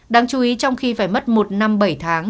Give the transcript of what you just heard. đáng chú ý trong khi phải mất một năm bảy tháng